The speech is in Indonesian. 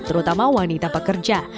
terutama wanita pekerja